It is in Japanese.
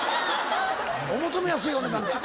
お求めやすいお値段で。